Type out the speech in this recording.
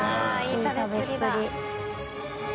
いい食べっぷり。